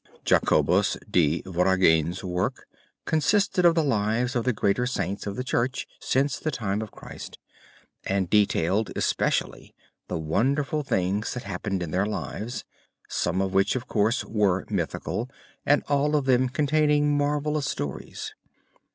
Jacobus de Voragine's work consisted of the lives of the greater Saints of the Church since the time of Christ, and detailed especially the wonderful things that happened in their lives, some of which of course were mythical and all of them containing marvelous stories.